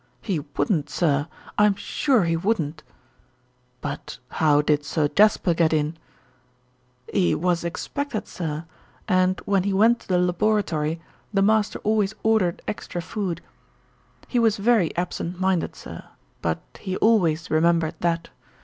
"He wouldn't, sir. I'm sure he wouldn't." "But how did Sir Jasper get in?" "He was expected, sir, and when he went to the laboratory, the master always ordered extra food. He was very absent minded, sir; but he always remembered that.